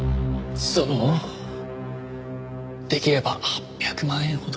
そのできれば８００万円ほど。